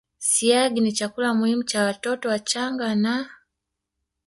Siagi ni chakula muhimu cha watoto wachanga na